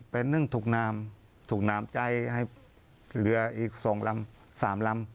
เป็นเรื่องถูกนามถูกนามใจให้เรืออีกสองลำสามลำ